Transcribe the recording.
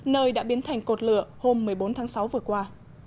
nơi đã biến thành cột lửa hôm một mươi bốn tháng sáu vừa qua